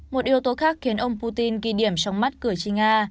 một yếu tố khác khiến ông putin ghi điểm trong mắt cửa chi nga